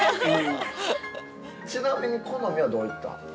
◆ちなみに、好みはどういった？